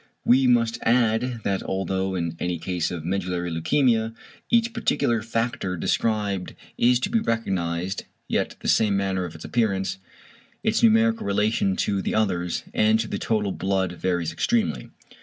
We must add that although in any case of medullary leukæmia each particular factor described is to be recognised, yet the manner of its appearance, its numerical relation to the others and to the total blood varies extremely.